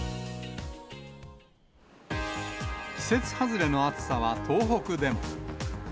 季節外れの暑さは東北でも。